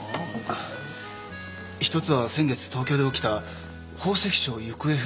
１つは先月東京で起きた宝石商行方不明事件。